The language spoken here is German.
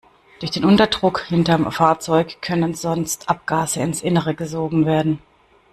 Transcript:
Durch den Unterdruck hinterm Fahrzeug können sonst Abgase ins Innere gesogen werden.